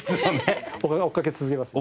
追っかけ続けます。